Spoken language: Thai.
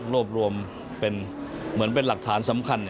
รวบรวมเป็นเหมือนเป็นหลักฐานสำคัญ